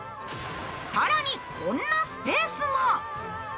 更にこんなスペースも。